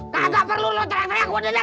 kagak perlu lo teriak teriak gue udah denger